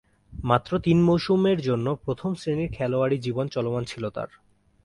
মাত্র তিন মৌসুমের জন্যে প্রথম-শ্রেণীর খেলোয়াড়ী জীবন চলমান ছিল তার।